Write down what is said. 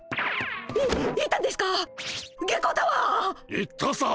行ったさ！